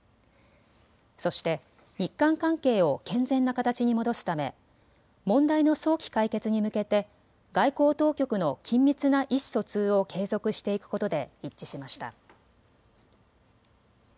そして日韓関係を健全な形に戻すため問題の早期解決に向けて外交当局の緊密な意思疎通を継続していくことで一致しました。